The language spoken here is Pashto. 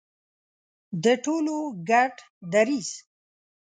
د ټولو ګډ دریځ.